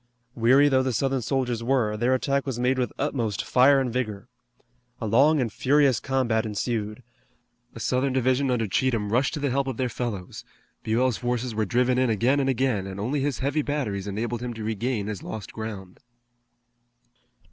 Weary though the Southern soldiers were, their attack was made with utmost fire and vigor. A long and furious combat ensued. A Southern division under Cheatham rushed to the help of their fellows. Buell's forces were driven in again and again, and only his heavy batteries enabled him to regain his lost ground.